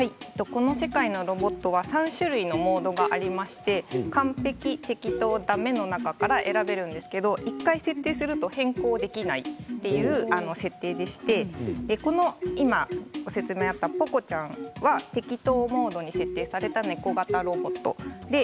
この世界のロボットは３種類のモードがありましてかんぺき、てきとう、ダメの中から選べるんですけど１回設定すると変更ができないという設定でして今説明があったポコちゃんはてきとうモードに設定された猫型ロボットなんです。